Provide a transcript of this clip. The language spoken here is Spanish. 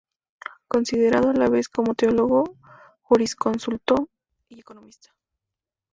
Considerado a la vez como teólogo, jurisconsulto y economista.